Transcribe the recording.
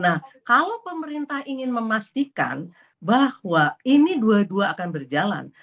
nah kalau pemerintah ingin memastikan bahwa ini dua dua akan berjalan